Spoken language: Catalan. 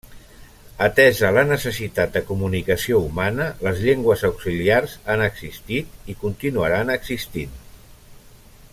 Atesa la necessitat de comunicació humana, les llengües auxiliars han existit i continuaran existint.